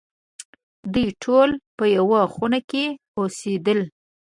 دوی ټول په یوه خونه کې اوسېدل.